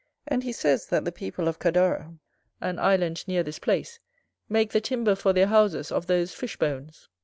And he says, that the people of Cadara, an island near this place, make the timber for their houses of those fish bones.